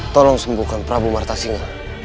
tolong sembuhkan prabu marta singa